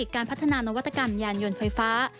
การพัฒนานวัตกรรมยานยนต์ไฟฟ้า